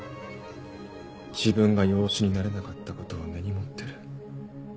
自分が養子になれなかった事を根に持ってる。